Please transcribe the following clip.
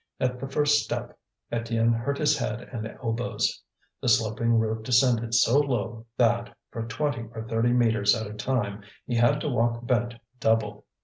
At the first step, Étienne hurt his head and elbows. The sloping roof descended so low that, for twenty or thirty metres at a time, he had to walk bent double.